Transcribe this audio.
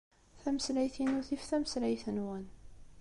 Tameslayt-inu tif tameslayt-nwen.